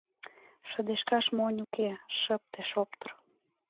Шыдешкаш монь уке, шыпте-шоптыр!